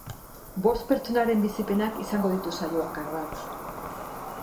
Bost pertsonaren bizipenak izango ditu saioak ardatz.